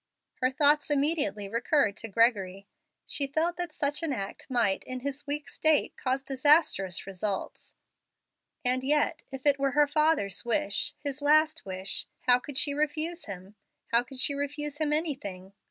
Her thoughts immediately recurred to Gregory, and she felt that such an act might, in his weak state, cause disastrous results. And yet if it were her father's wish his last wish how could she refuse him how could she refuse him anything?